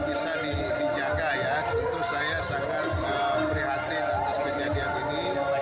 yang bisa dinyaga ya tentu saya sangat berhati hati atas kejadian ini